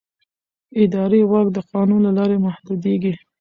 اداري واک د قانون له لارې محدودېږي.